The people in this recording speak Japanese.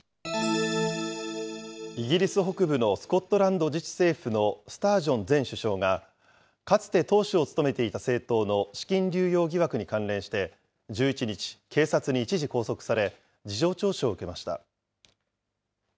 イギリス北部のスコットランド自治政府のスタージョン前首相が、かつて党首を務めていた政党の資金流用疑惑に関連して、１１日、警察に一時拘束され、事情聴取を受けました。